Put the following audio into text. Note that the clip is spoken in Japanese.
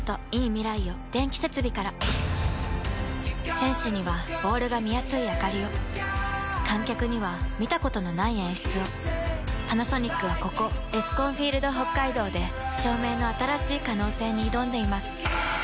選手にはボールが見やすいあかりを観客には見たことのない演出をパナソニックはここエスコンフィールドＨＯＫＫＡＩＤＯで照明の新しい可能性に挑んでいます